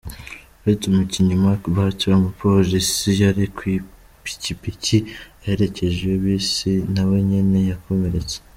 Uretse umukinyi Marc Bartra, umupolisi yari kw'ipikipiki aherekeje iyo bisi nawe nyene yakomeretse.